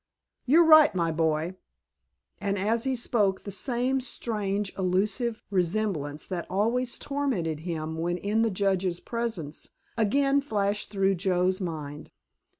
"You're right, my boy," and as he spoke the same strange, illusive resemblance that always tormented him when in the Judge's presence again flashed through Joe's mind.